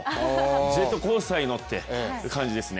ジェットコースターに乗ってる感じでしたね。